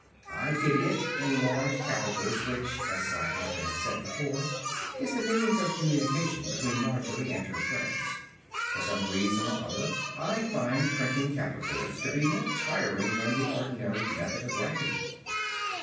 I did it in large capitals, which (as I ought to have said before) is the means of communication between Margery and her friends. For some reason or other I find printing capitals to be more tiring than the ordinary method of writing.